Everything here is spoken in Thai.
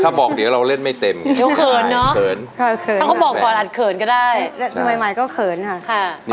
เขาบอกเดี๋ยวเราเล่นไม่เต็มค่ะเขินครับ